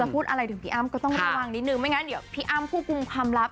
ไม่อย่างนั้นเดี๋ยวพี่อ้ำคู่กรูปคำลับ